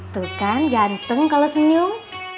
tuh kan gantung kalau senyum